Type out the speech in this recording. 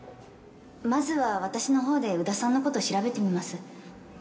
まずは私のほうで宇田さんの事調べてみます。